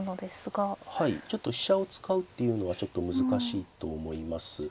はいちょっと飛車を使うっていうのはちょっと難しいと思います。